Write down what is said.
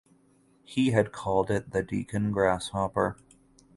He had called it the Deccan grasshopper.